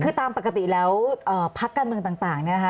คือตามปกติแล้วพักการเมืองต่างเนี่ยนะคะ